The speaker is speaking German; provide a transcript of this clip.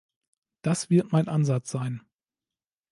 Das wird mein Ansatz sein.